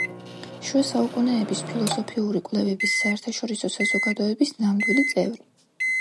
შუა საუკუნეების ფილოსოფიური კვლევების საერთაშორისო საზოგადოების ნამდვილი წევრი.